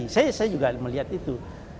saya juga melihat itu